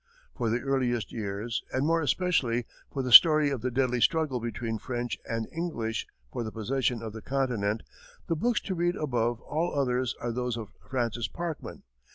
For the earliest years, and, more especially, for the story of the deadly struggle between French and English for the possession of the continent, the books to read above all others are those of Francis Parkman.